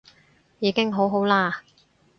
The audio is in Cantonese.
已經好好啦